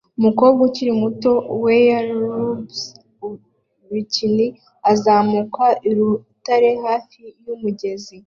Umukobwa ukiri muto wearubg bikini azamuka urutare hafi yumugezi